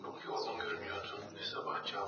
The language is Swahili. tuko kwenye hali isiyo ya kawaida yaani tumejaribu